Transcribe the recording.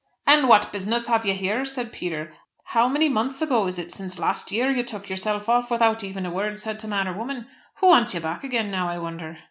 "And what business have you here?" said Peter. "How many months ago is it since last year you took yourself off without even a word said to man or woman? Who wants you back again now, I wonder?"